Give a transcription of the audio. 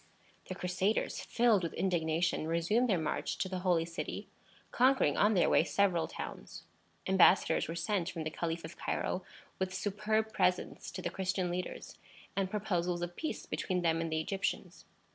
The Crusaders, filled with indignation, resumed their march to the Holy City, conquering on their way several towns. Embassadors were sent from the Caliph of Cairo with superb presents to the Christian leaders, and proposals of peace between them and the Egyptians.